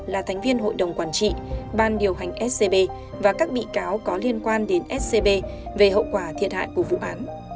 là thành viên hội đồng quản trị ban điều hành scb và các bị cáo có liên quan đến scb về hậu quả thiệt hại của vụ án